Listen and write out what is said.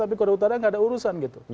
tapi korea utara tidak ada urusan